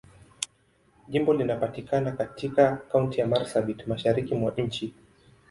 Jimbo linapatikana katika Kaunti ya Marsabit, Mashariki mwa nchi.